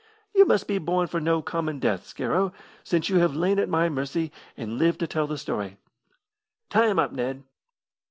You must be born for no common death, Scarrow, since you have lain at my mercy and lived to tell the story. Tie him up, Ned."